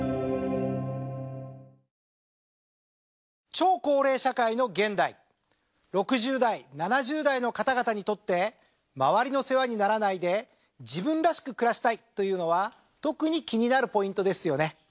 超高齢社会の現代６０代７０代の方々にとって周りの世話にならないで自分らしく暮らしたいというのは特に気になるポイントですよね。